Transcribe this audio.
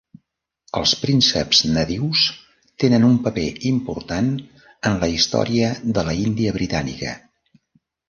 Els prínceps nadius tenen un paper important en la història de l'Índia Britànica.